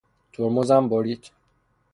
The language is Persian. ترمزم برید.